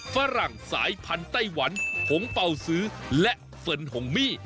ฝรั่งสายพันธุ์ไต้หวันผงเป่าซื้อและเฟิร์นหงมี่